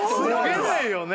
こげないよね。